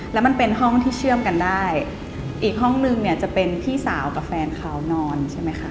แล้วมันเป็นห้องที่เชื่อมกันได้อีกห้องนึงเนี่ยจะเป็นพี่สาวกับแฟนเขานอนใช่ไหมคะ